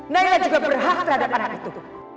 mereka juga berhak terhadap anak itu